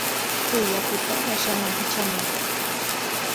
Kay yakuta washaman hitramuy.